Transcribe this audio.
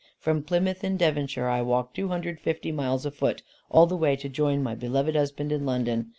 From Plymouth in Devonshire, I walked two hundred and fifty miles afoot all the way to join my beloved husband in London.